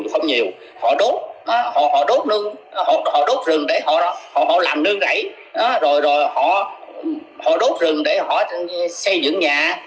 họ đốt rừng để họ làm nương rẫy họ đốt rừng để họ xây dựng nhà